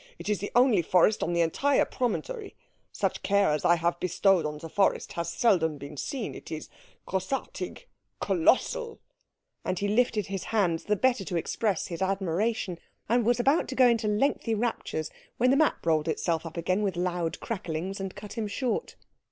It is the only forest on the entire promontory. Such care as I have bestowed on the forest has seldom been seen. It is grossartig colossal!" And he lifted his hands the better to express his admiration, and was about to go into lengthy raptures when the map rolled itself up again with loud cracklings, and cut him short.